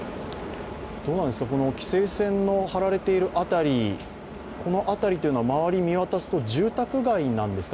規制線の張られている辺りというのは周り見渡すと住宅街なんですか？